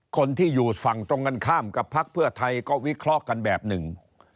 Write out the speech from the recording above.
คนที่อยู่ฝั่งตรงกันข้ามกับพักเพื่อไทยก็วิเคราะห์กันแบบหนึ่ง